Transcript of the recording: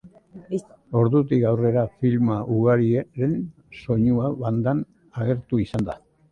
Ordutik aurrera, filma ugariren soinu bandan agertu izan da.